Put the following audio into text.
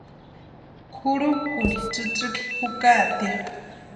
Kʼurhukʼuni tsïtsïki jukatʼia.